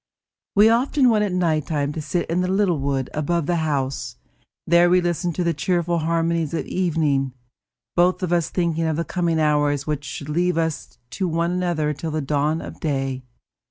We often went at night time to sit in the little wood above the house; there we listened to the cheerful harmonies of evening, both of us thinking of the coming hours which should leave us to one another till the dawn of day.